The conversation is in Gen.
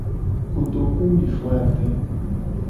Kotokuwuiade.